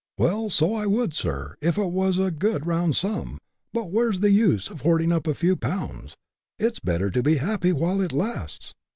—" Well, so I would. Sir, if it was a good round sum, but where's the use of hoarding up a few pounds ? it's better to 'be happy' while it lasts."